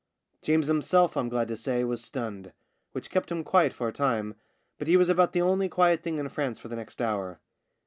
James himself, I'm glad to say, was stunned, which kept him quiet for a time, but he was about the only quiet thing in France for the next hour.